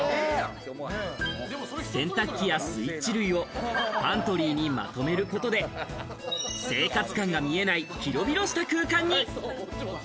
洗濯機やスイッチ類をパントリーにまとめることで、生活感が見えない広々した空間に。